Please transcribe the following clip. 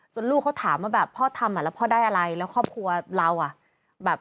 ส่วนลูกเขาถามว่าแบบพ่อทำแล้วพ่อได้อะไรแล้วครอบครัวเรา